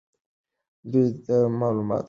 دوی ته معلومات ورکړه.